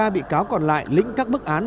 hai mươi ba bị cáo còn lại lĩnh các bức án